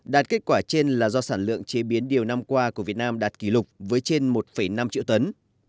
đạt kết quả trên là do sản lượng chế biến điều năm qua của việt nam đạt kỷ lục với trên một năm triệu tấn